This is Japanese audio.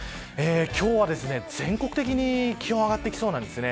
今日は全国的に気温が上がってきそうなんです。